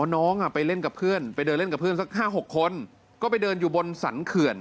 น้องไปเล่นกับเพื่อนไปเดินเล่นกับเพื่อนสัก๕๖คนก็ไปเดินอยู่บนสรรเขื่อน